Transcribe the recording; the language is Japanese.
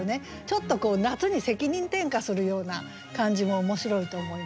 ちょっと夏に責任転嫁するような感じも面白いと思いますね。